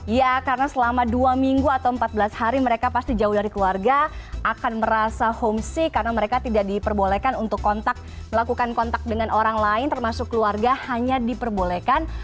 ya karena selama dua minggu atau empat belas hari mereka pasti jauh dari keluarga akan merasa homestay karena mereka tidak diperbolehkan untuk kontak melakukan kontak dengan orang lain termasuk keluarga hanya diperbolehkan